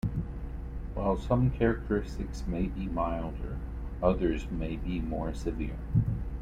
While some characteristics may be milder, others may be more severe.